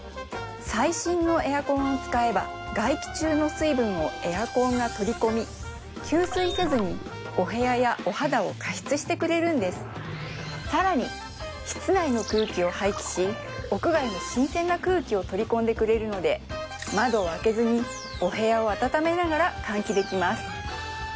最新のエアコンを使えば外気中の水分をエアコンが取り込み給水せずにお部屋やお肌を加湿してくれるんですさらに室内の空気を排気し屋外の新鮮な空気を取り込んでくれるので窓を開けずにお部屋を暖めながら換気できます